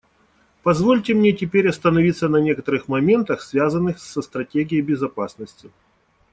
Позвольте мне теперь остановиться на некоторых моментах, связанных со стратегией безопасности.